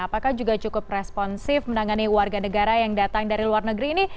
apakah juga cukup responsif menangani warga negara yang datang dari luar negeri ini